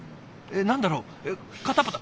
何だろう？